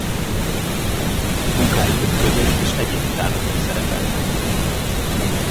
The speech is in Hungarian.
Munkái több közös és egyéni tárlaton szerepeltek.